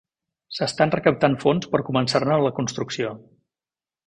S'estan recaptant fons per començar-ne la construcció.